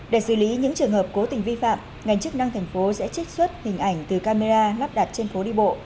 để xử lý những trường hợp cố tình vi phạm ngành chức năng thành phố sẽ trích xuất hình ảnh từ camera lắp đặt trên phố đi bộ